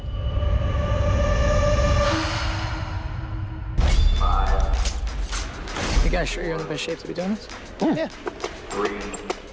นายต้องแสดงให้เป็นภาพยนตร์ที่สุด